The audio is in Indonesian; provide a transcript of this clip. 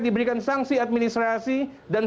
diberikan sanksi administrasi dan